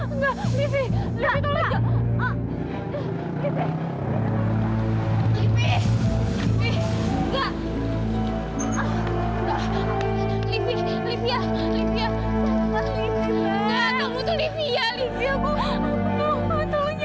enggak livi livi tolong jalan